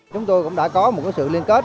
chúng tôi cũng đã có một sự liên kết